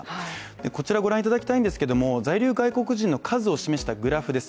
こちらご覧いただきたいんですが在留外国人の数を示したグラフです。